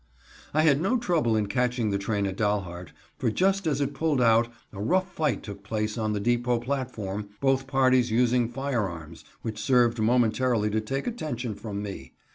I had no trouble in catching the train at Dalhart, for just as it pulled out a rough fight took place on the depot platform, both parties using firearms, which served momentarily to take attention from me.